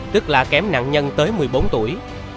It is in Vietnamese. tức là kém nạn nhân tới một mươi bốn tuổi